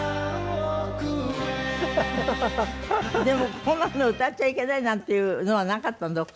でもこんなの歌っちゃいけないなんていうのはなかったの？